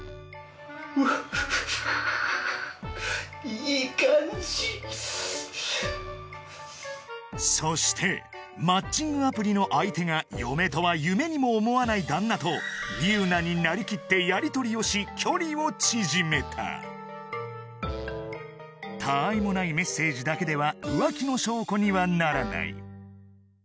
うわっよしそしてマッチングアプリの相手が嫁とは夢にも思わない旦那とみゆなになりきってやり取りをし距離を縮めたたわいもないメッセージだけでは浮気の証拠にはならない